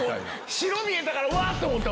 白見えたからうわっと思った。